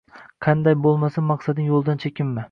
Qanday bo'lmasin maqsading yo'lidan chekinma.